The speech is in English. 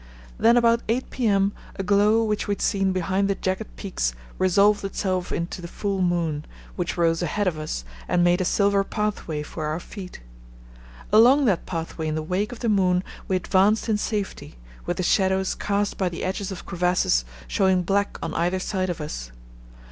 Then about 8 p.m. a glow which we had seen behind the jagged peaks resolved itself into the full moon, which rose ahead of us and made a silver pathway for our feet. Along that pathway in the wake of the moon we advanced in safety, with the shadows cast by the edges of crevasses showing black on either side of us.